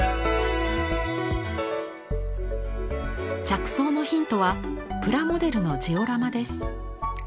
着想のヒントはプラモデルのジオラマです。